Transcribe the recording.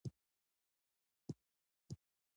ځوانان د خپل وطن د ازادۍ لپاره قرباني ورکوي.